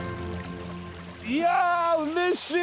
いやうれしい！